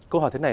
câu hỏi thế này